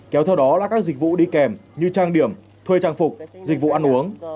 kéo theo đó là các dịch vụ đi kèm như trang điểm thuê trang phục dịch vụ ăn uống